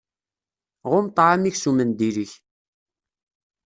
Ɣumm ṭṭɛam-ik s umendil-ik!